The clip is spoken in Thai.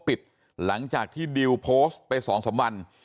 ปิดหลังจากที่ดิวโพสต์ไป๒๓วัน